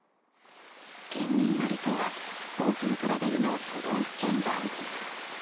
県民割とはＧｏＴｏトラベルの都道府県版。